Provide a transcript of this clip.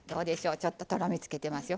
ちょっととろみつけてますよ。